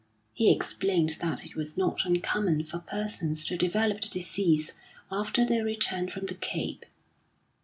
He explained that it was not uncommon for persons to develop the disease after their return from the Cape.